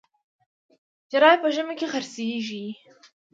جراپي په ژمي کي خرڅیږي.